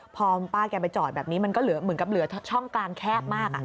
พอป้าแกไปจอดแบบนี้มันก็เหมือนกับเหลือช่องกลางแคบมาก